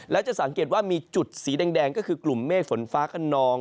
และจะสังเกตว่ามีจุดสีแดงก็คือกลุ่มเมฆฝนฟ้าขนอง